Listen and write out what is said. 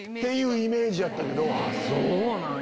そうなんや。